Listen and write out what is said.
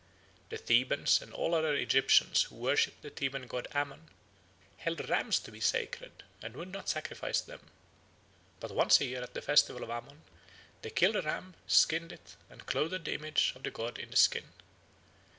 The Thebans and all other Egyptians who worshipped the Theban god Ammon held rams to be sacred, and would not sacrifice them. But once a year at the festival of Ammon they killed a ram, skinned it, and clothed the image of the god in the skin.